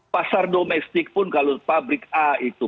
pasar domestik pun kalau pabrik a itu